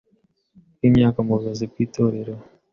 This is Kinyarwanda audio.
bw imyaka mu buyobozi bw itorero